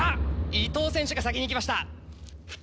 伊藤選手が先にいきました！